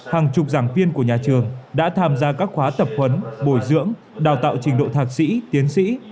hàng chục giảng viên của nhà trường đã tham gia các khóa tập huấn bồi dưỡng đào tạo trình độ thạc sĩ tiến sĩ